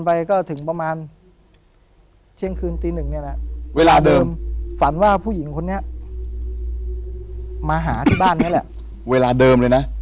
เป็นอย่างไร